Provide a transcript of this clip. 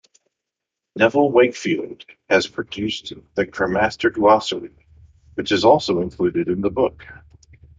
Neville Wakefield has produced "The Cremaster Glossary", which is also included in the book.